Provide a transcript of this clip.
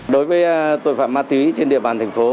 đối với tội phạm ma túy trên địa bàn thành phố